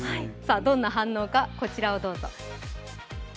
どんな反応か、こちらをどうぞ。